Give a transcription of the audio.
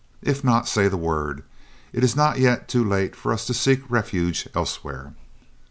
If not, say the word; it is not yet too late for us to seek refuge elsewhere."